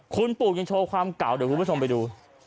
คุณปู่ยังโชว์ความเก่าเดี๋ยวคุณผู้ชมไปดู